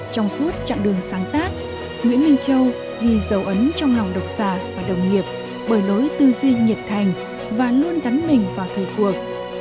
trong suốt chặng đường sáng tác nguyễn minh châu ghi dấu ấn trong lòng độc giả và đồng nghiệp bởi lối tư duy nhiệt thành và luôn gắn mình vào thời cuộc